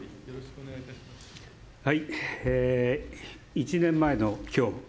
１年前の今日